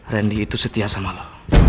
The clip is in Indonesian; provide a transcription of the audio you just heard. rendy itu setia sama lo